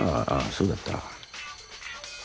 そうだった。